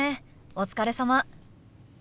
お疲れさま。